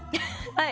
はい。